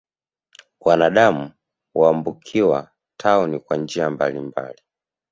Wanadamu huambukiwa tauni kwa njia mbalimbali